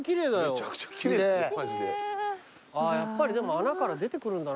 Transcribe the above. やっぱりでも穴から出てくるんだな。